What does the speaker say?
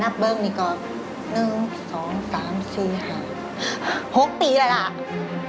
แล้วรู้จักกับคุณสมพรได้ยังไงอ่ะเอ๋ย